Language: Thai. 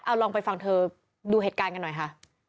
เอาลองไปฟังเธอดูเหตุการณ์กันหน่อยค่ะ